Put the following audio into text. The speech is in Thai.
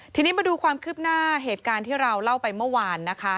ทีนี้มาดูความคืบหน้าเหตุการณ์ที่เราเล่าไปเมื่อวานนะคะ